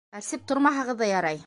Әрсеп тормаһағыҙ ҙа ярай.